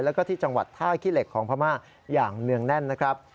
แล้วก็ที่จังหวัดท่าขี้เหล็กของพม่าอย่างเนื่องแน่นนะครับ